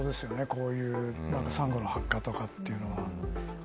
こういうサンゴの白化とかっていうのは。